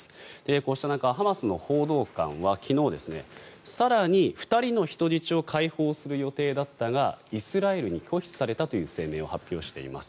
こうした中ハマスの報道官は昨日更に２人の人質を解放する予定だったがイスラエルに拒否されたという声明を発表しています。